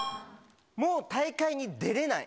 もう大会に出れない。